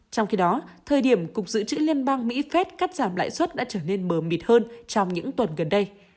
trong khi đó thời điểm cục dự trữ liên bang mỹ phép cắt giảm lãi suất đã trở nên mờ mịt hơn trong những tuần gần đây